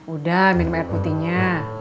udah minum air putihnya